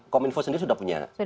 kominfo sendiri sudah punya